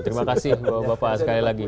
terima kasih bapak bapak sekali lagi